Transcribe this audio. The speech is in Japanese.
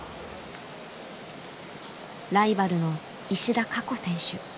ライバルの石田華子選手。